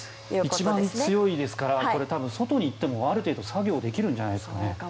一番強いですから外に行ってもある程度作業できるんじゃないですかね。